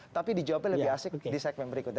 tapi dijawabnya lebih asik di segmen berikutnya